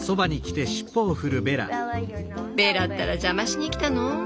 ベラったら邪魔しにきたの？